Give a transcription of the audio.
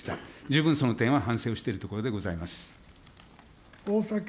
十分その点は反省をしているところでございます。